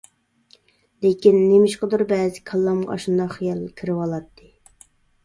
لېكىن نېمىشقىدۇر بەزىدە كاللامغا ئاشۇنداق خىيال كىرىۋالاتتى.